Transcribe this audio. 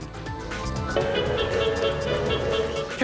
เทคโนโลยียังเป็นอีกสิ่งหนึ่งที่ขึ้นชื่อเมื่อนึกถึงญี่ปุ่น